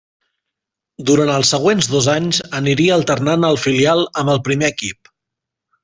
Durant els següents dos anys aniria alternant el filial amb el primer equip.